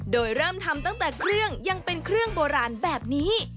โดยเริ่มทำตั้งแต่เครื่องยังเป็นเครื่องโบราณแบบนี้